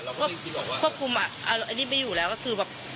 เราก็ไม่คิดออกว่าควบคุมอ่ะอันนี้ไม่อยู่แล้วก็คือแบบ